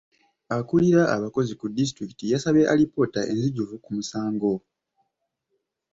Akulira abakozi ku disitulikiti yasabye alipoota enzijuvu ku musango.